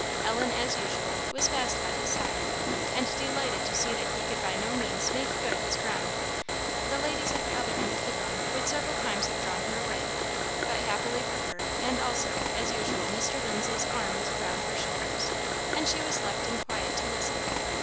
Ellen, as usual, was fast by his side, and delighted to see that he could by no means make good his ground. The ladies at the other end of the room would several times have drawn her away, but happily for her, and also, as usual, Mr. Lindsay's arm was around her shoulders, and she was left in quiet to listen.